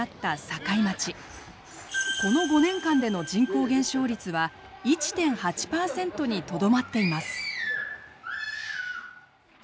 この５年間での人口減少率は１．８％にとどまっています。